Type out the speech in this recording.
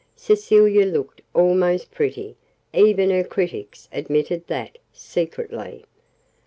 Cecilia looked almost pretty even her critics admitted that, secretly.